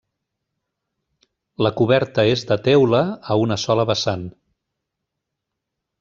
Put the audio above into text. La coberta és de teula a una sola vessant.